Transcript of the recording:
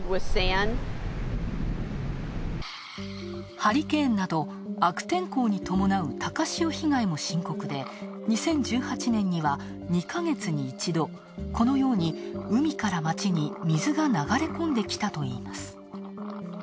ハリケーンなど、悪天候に伴う高潮被害も深刻で２０１８年には２ヶ月に１度、このように海から街に水が流れ込んできたといいます。